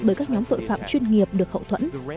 bởi các nhóm tội phạm chuyên nghiệp được hậu thuẫn